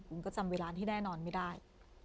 ก็จำเวลาที่แน่นอนไม่ได้